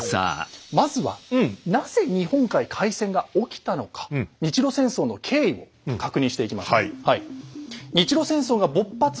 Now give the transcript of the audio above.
まずはなぜ日本海海戦が起きたのか日露戦争の経緯を確認していきましょう。